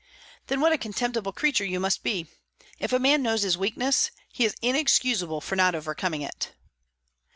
"Then what a contemptible creature you must be! If a man knows his weakness, he is inexcusable for not overcoming it."